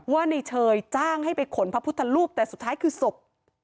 ว่าในเชยจ้างให้ไปขนพระพุทธรูปแต่สุดท้ายคือศพ